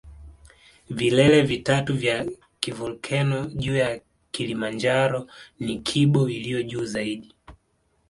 Vilele vitatu vya kivolkeno juu ya Kilimanjaro ni Kibo iliyo juu zaidi